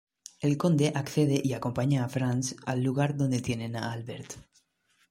El conde accede y acompaña a Franz al lugar donde tienen a Albert.